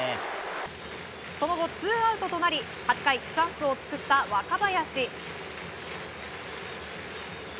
その後、ツーアウトとなり８回チャンスを作った若林。